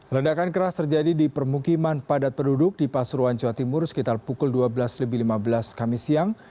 ledakan keras terjadi di permukiman padat penduduk di pasuruan jawa timur sekitar pukul dua belas lebih lima belas kami siang